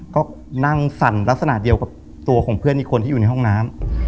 ก็นั่งสั่นลักษณะเดียวกับตัวของเพื่อนอีกคนที่อยู่ในห้องน้ำ